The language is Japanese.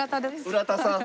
浦田さん。